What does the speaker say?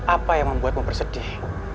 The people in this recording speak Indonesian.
apa yang membuatmu bersedih